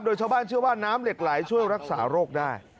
โดยชาวบ้านเชื่อว่าน้ำเหล็กไหลช่วยรักษาโรคได้